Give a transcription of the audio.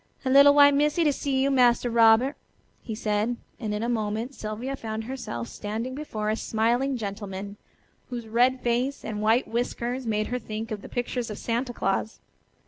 "A little white missy to see you, Massa Robert," he said, and in a moment Sylvia found herself standing before a smiling gentleman, whose red face and white whiskers made her think of the pictures of Santa Claus.